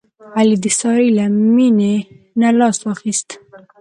علي د سارې له مینې نه لاس واخیست.